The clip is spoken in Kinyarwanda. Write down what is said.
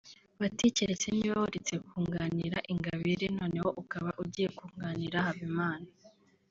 bati " Keretse niba waretse kunganira Ingabire noneho ukaba ugiye kunganira Habimana